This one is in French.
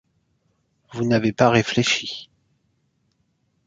Vous n’avez pas réfléchi.